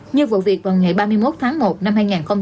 như vụ việc vào ngày ba mươi một tháng một năm hai nghìn hai mươi